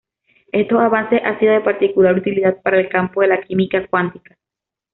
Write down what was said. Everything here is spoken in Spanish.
Estos avances han sido de particular utilidad para el campo de la química cuántica.